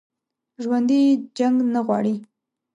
ژوندي جنګ نه غواړي